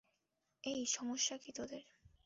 এই, সমস্যা কী তোদের?